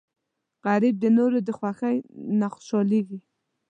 غریب د نورو د خوښۍ نه خوشحالېږي